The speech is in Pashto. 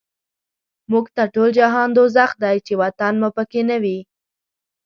موږ ته ټول جهان دوزخ دی، چی وطن مو په کی نه وی